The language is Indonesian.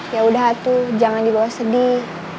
yaudah atuh jangan dibawa sedih